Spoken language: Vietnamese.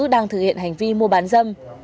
đang thực hiện hành vi mua bán dâm